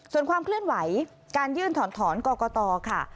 ส่วนความเคลื่อนไหวการยื่นถอนถอนกรกตค่ะ